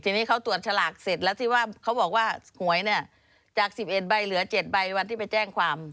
ทีนี้เขาตรวจฉลากเสร็จแล้วที่ว่าเขาบอกว่าหวยเนี่ยจาก๑๑ใบเหลือ๗ใบวันที่ไปแจ้งความ